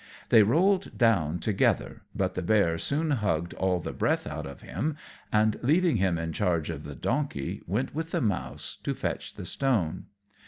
They rolled down together, but the bear soon hugged all the breath out of him, and leaving him in charge of the donkey went with the mouse to fetch the stone.